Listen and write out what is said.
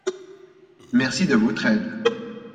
Merci de votre aide.